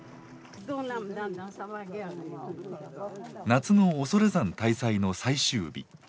夏の恐山大祭の最終日。